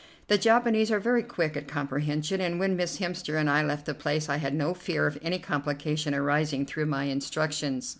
The Japanese are very quick at comprehension, and when Miss Hemster and I left the place I had no fear of any complication arising through my instructions.